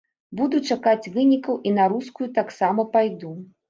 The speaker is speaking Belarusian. Буду чакаць вынікаў і на рускую таксама пайду.